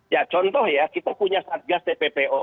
ya contoh ya kita punya satgas tppo